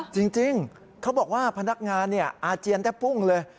จริงเขาบอกว่าพนักงานอาเจียนแทบพุ่งเลย